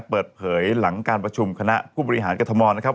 เปิดเผยหลังการประชุมคณะผู้บริหารกรทมนะครับ